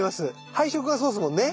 配色がそうですもんね。